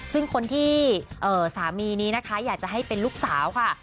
ซึ่งคนที่สามีนี้นะคะอยากจะให้เป็นลูกสาวค่ะ